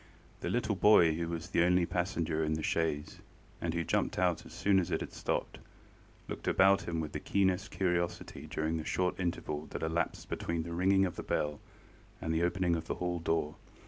The little boy who was the only passenger in the chaise, and who jumped out as soon as it had stopped, looked about him with the keenest curiosity during the short interval that elapsed between the ringing of the bell and the opening of the hall door.